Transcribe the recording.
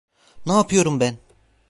Ne yapıyorum ben?